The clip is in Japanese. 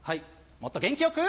もっと元気良く！